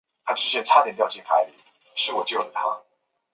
也给观众留下深刻影象。